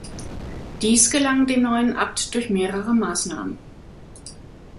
Dies gelang dem neuen Abt durch mehrere Maßnahmen.